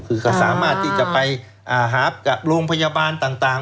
คือก็สามารถที่จะไปหากับโรงพยาบาลต่าง